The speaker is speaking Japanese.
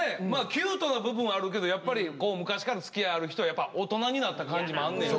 キュートな部分はあるけどやっぱり昔からつきあいある人はやっぱ大人になった感じもあんねや。